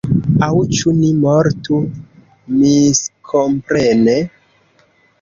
Aŭ ĉu ni mortu miskomprene?